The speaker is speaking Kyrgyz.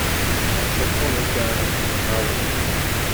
Рашодхон эки айга камакка алынды.